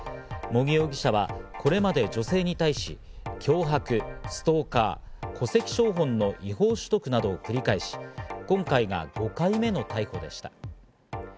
茂木容疑者はこれまで女性に対し、脅迫、ストーカー、戸籍抄本の違法取得などを繰り返し、今回が５回目の逮捕でした。